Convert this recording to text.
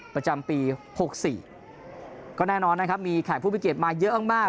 ประจำปี๖๔ก็แน่นอนนะครับมีแขกผู้มีเกียรติมาเยอะมาก